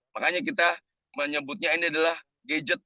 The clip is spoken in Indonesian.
makanya kita menyebutnya ini adalah gadget